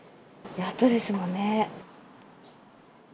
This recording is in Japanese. やっとですもんね。